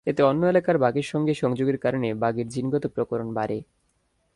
এতে অন্য এলাকার বাঘের সঙ্গে সংযোগের কারণে বাঘের জিনগত প্রকরণ বাড়ে।